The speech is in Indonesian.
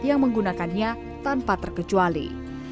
dan kebenarkannya tanpa terkecuali